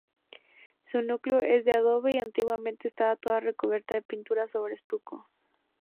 Su núcleo es de adobe y antiguamente, estaba toda recubierta de pinturas sobre estuco.